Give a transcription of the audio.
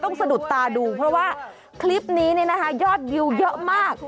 ต้องสะดุดตาดูเพราะว่าคลิปนี้ยอดวิวเยอะมาก